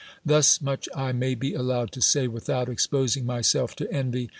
Thus much I may be allowed to say without exposing myself to envy.